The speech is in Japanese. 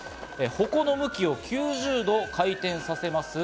鉾の向きを９０度回転させます。